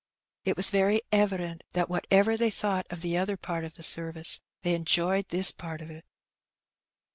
It was very evident that whatever they thought of the other part of the service, they enjoyed this part of it.